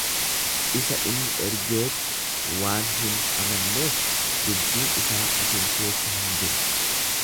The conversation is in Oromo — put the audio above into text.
Isa inni ergeetti waan hin amanneef, dubbiin isaa isin keessa hin jiru.